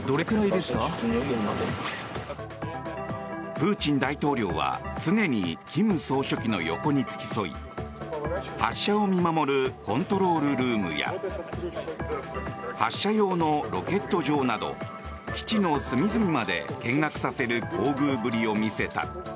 プーチン大統領は常に金総書記の横に付き添い発射を見守るコントロールルームや発射用のロケット場など基地の隅々まで見学させる厚遇ぶりを見せた。